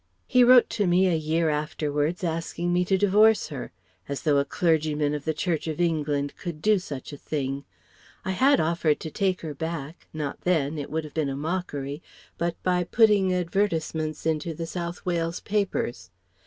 He wrote to me a year afterwards asking me to divorce her. As though a Clergyman of the Church of England could do such a thing! I had offered to take her back not then it would have been a mockery but by putting advertisements into the South Wales papers.